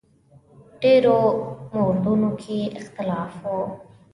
ډېرو موردونو کې اختلاف و.